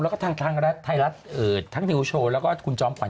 แล้วก็ทางไทยรัฐทั้งนิวโชว์แล้วก็คุณจอมขวั